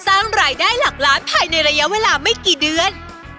สร้างรายได้หลักล้านภายในระยะเวลาไม่กี่เดือน